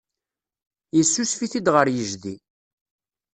Yessusef-it-id ɣer yejdi.